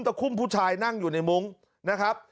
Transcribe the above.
คุ่มผู้ชายนั่งอยู่ในมุ้งนะครับ